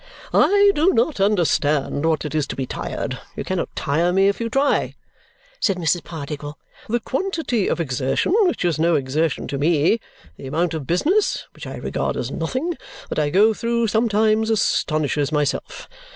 "I do not understand what it is to be tired; you cannot tire me if you try!" said Mrs. Pardiggle. "The quantity of exertion (which is no exertion to me), the amount of business (which I regard as nothing), that I go through sometimes astonishes myself.